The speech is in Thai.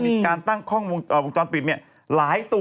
มีการตั้งกล้องวงจรปิดหลายตัว